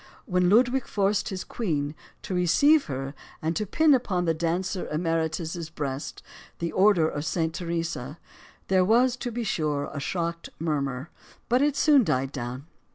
When Ludwig forced his queen to receive her and to pin upon the dancer emeritus' breast the Order of St. Theresa, there was, to be sure, a shocked murmur. But it soon died down.